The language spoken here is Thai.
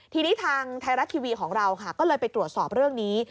ทีนี้ทางไทยรัฐทีวีของเราค่ะก็เลยไปตรวจสอบเรื่องนี้